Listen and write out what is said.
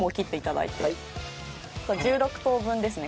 １６等分ですね。